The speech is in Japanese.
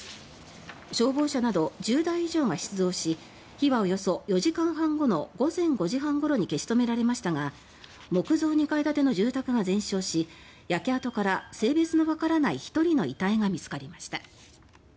消防車など１０台以上が出動し火はおよそ４時間半後の午前５時半ごろに消し止められましたが木造２階建ての住宅が全焼し焼け跡から性別のわからない１人の遺体が見つかりました。